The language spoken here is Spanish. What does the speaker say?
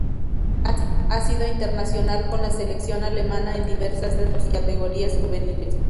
Ha sido internacional con la selección alemana en diversas de sus categorías juveniles.